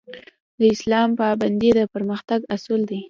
د اسلام پابندي د پرمختګ اصول دي